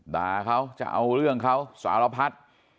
ด่าเขาจะเอาเรื่องเขาสารพัด